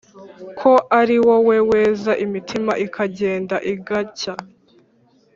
ko ari wowe weza imitima ikagenda igacya